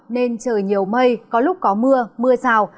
nên trời nhiều mây có lúc có mưa mưa rào